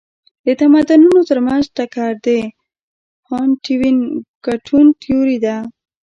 د تمدنونو ترمنځ ټکر د هانټینګټون تيوري ده.